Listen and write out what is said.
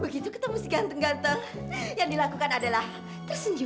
begitu ketemu si ganteng ganteng yang dilakukan adalah tersenyum